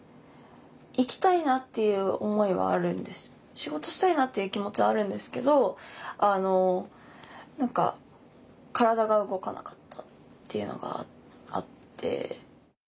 仕事したいなっていう気持ちはあるんですけど何か体が動かなかったっていうのがあって。